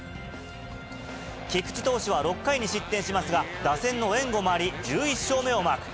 菊池投手は６回に失点しますが、打線の援護もあり、１１勝目をマーク。